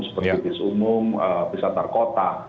seperti bis umum pisar pisar kota